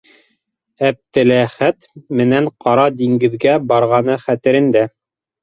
Әптеләхәте менән Ҡара диңгеҙгә барғаны хәтерендә.